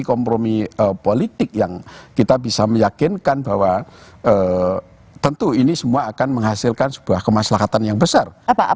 kompromi politik yang kita bisa meyakinkan bahwa tentu ini semua akan menghasilkan sebuah kemaslahatan yang besar